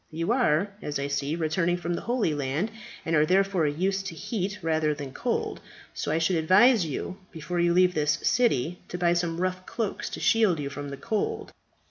You are, as I see, returning from the Holy Land, and are therefore used to heat rather than cold, so I should advise you before you leave this city to buy some rough cloaks to shield you from the cold.